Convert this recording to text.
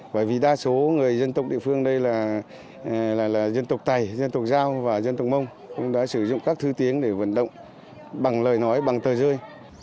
bởi vì đa số người dân tộc địa phương đây là dân tộc tày dân tộc giao và dân tộc mông cũng đã sử dụng các thứ tiếng để vận động bằng lời nói bằng tờ rơi